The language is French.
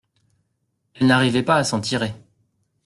Elle n’arrivait pas à s’en tirer.